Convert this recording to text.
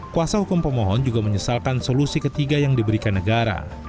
kuasa hukum pemohon juga menyesalkan solusi ketiga yang diberikan negara